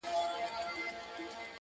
چي قاتل په غره کي ونیسي له غاره؛